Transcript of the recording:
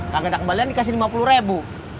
kagak ada kembalian dikasih lima puluh rebu